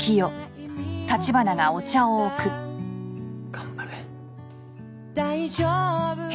頑張れ。